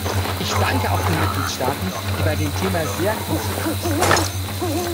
Ich danke auch den Mitgliedstaaten, die bei dem Thema sehr konstruktiv sind.